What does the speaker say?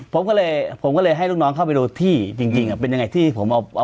ผมก็เลยผมก็เลยให้ลูกน้องเข้าไปดูที่จริงเป็นยังไงที่ผมเอา